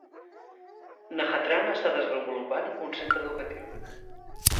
Nakhatrana està desenvolupant un centre educatiu.